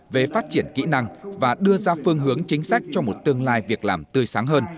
về phát triển kỹ năng và đưa ra phương hướng chính sách cho một tương lai việc làm tươi sáng hơn